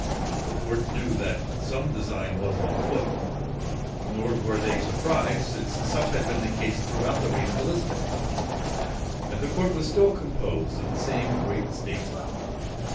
The court knew that some design was on foot: nor were they surprised, since such had been the case throughout the reign of Elizabeth; and the court was still composed of the same great statesmen.